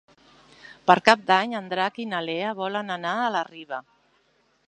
Per Cap d'Any en Drac i na Lea volen anar a la Riba.